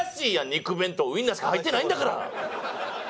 肉弁当ウインナーしか入ってないんだから！